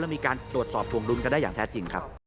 และไม่การตรวจสอบถวงหลุนมาก